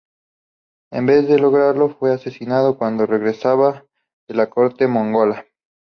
En vez de lograrlo, fue asesinado cuando regresaba de la corte mongola.